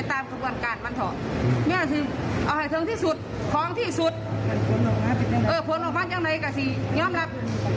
อาหารเทิงที่สุดของที่สุดเออผลออกมาจากไหนกะซีย้ำลับ